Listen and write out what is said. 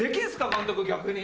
監督逆に。